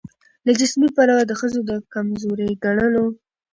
له جسمي پلوه د ښځو د کمزوري ګڼلو